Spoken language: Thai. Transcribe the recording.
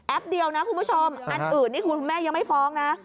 เดียวนะคุณผู้ชมอันอื่นนี่คุณแม่ยังไม่ฟ้องนะ